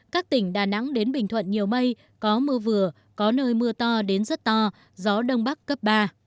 các tỉnh đà nẵng đến bình thuận nhiều mây có mưa vừa có nơi mưa to đến rất to gió đông bắc cấp ba